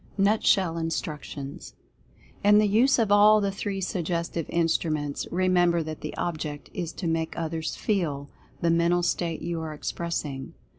NUTSHELL INSTRUCTIONS. In the use of all the three Suggestive Instruments, remember that the object is to make others FEEL the Mental State you are expressing.